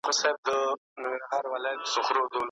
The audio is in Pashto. خپلو موخو ته ژمن اوسئ.